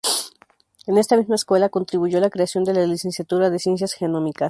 En esta misma escuela, contribuyó a la creación de la Licenciatura de Ciencias Genómicas.